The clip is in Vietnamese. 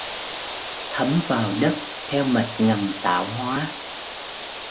Thấm vào đất theo mạch ngầm tạo hoá